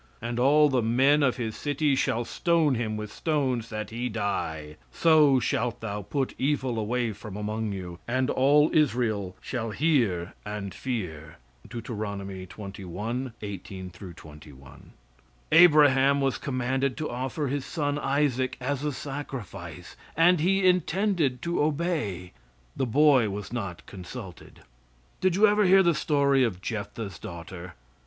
"And all the men of his city shall stone him with stones, that he die; so shalt thou put evil away from among you; and all Israel shall hear and fear." (Deut. xxi, 18 21.) Abraham was commanded to offer his son Isaac as a sacrifice, and he intended to obey. The boy was not consulted. Did you ever hear the story of Jephthah's daughter?